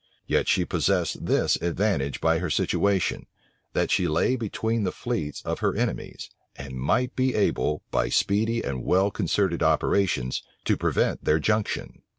Yet she possessed this advantage by her situation, that she lay between the fleets of her enemies, and might be able, by speedy and well concerted operations, to prevent their junction.